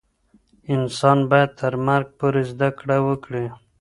انسان باید تر مرګ پورې زده کړه وکړي.